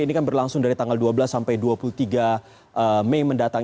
ini kan berlangsung dari tanggal dua belas sampai dua puluh tiga mei mendatang